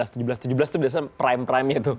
tujuh belas tuh biasanya prime prime nya tuh